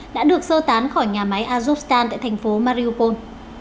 đã được sơ tán khỏi nhà máy azovstan tại thành phố mariupol